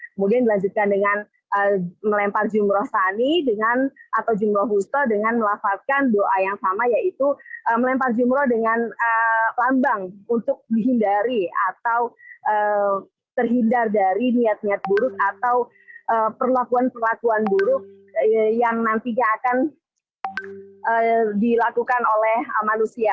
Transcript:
kemudian dilanjutkan dengan melempar jumlah sani atau jumlah kusta dengan melafazkan doa yang sama yaitu melempar jumlah dengan lambang untuk dihindari atau terhindar dari niat niat buruk atau perlakuan perlakuan buruk yang nantinya akan dilakukan oleh manusia